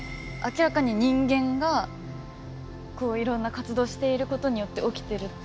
明らかに人間がいろんな活動していることによって起きてる。